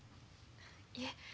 いえ